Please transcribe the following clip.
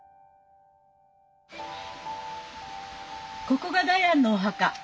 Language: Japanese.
ここがダヤンのお墓。